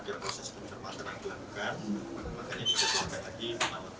kalau yang di jawa barat kan harusnya kalau dijadwalkan pagi ini